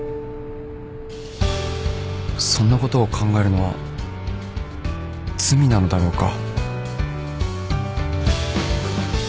そんなことを考えるのは罪なのだろうか